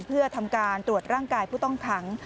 เพื่อทำการตรวจร่างกายผู้ต้องขัง